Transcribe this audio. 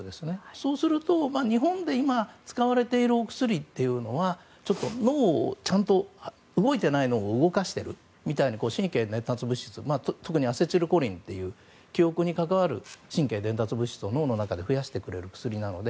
そうすると、日本で今使われているお薬というのはちゃんと動いていない脳を動かしているみたいな神経伝達物質特にアセチルコリンという記憶に関わる神経伝達物質を脳の中で増やしてくれる薬なので